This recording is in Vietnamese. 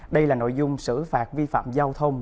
đây là nội dung xử phạt vi phạm giao thông